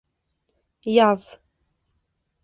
Яҙ.